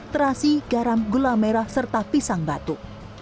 terasi garam gula merah serta pisang batu